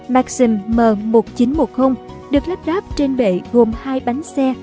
maxim m một nghìn chín trăm một mươi được lắp đáp trên bệ gồm hai bánh xe